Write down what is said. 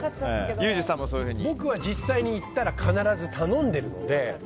僕は実際に行ったら必ず頼んでいるので。